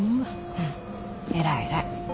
うん偉い偉い。